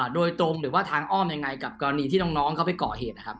โดยตรงหรือว่าทางอ้อมยังไงกับการหนีที่น้องเขาไปกรเหตุ